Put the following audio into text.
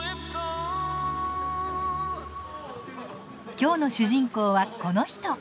今日の主人公はこの人。